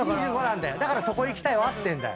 だから「そこ行きたい」は合ってんだよ。